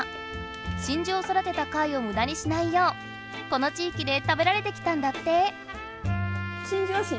真珠をそだてた貝をむだにしないようこの地いきで食べられてきたんだって。